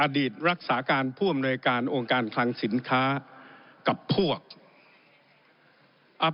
อดีตรักษาการผู้อำนวยความ